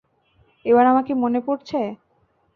এবার আমাকে মনে পড়েছে?